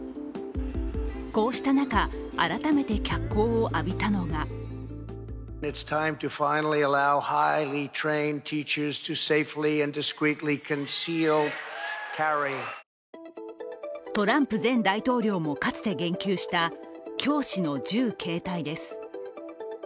こうした中、改めて脚光を浴びたのがトランプ前大統領もかつて言及した教師の銃携帯です。